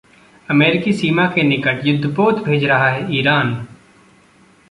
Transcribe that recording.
अमेरिकी सीमा के निकट युद्धपोत भेज रहा है ईरान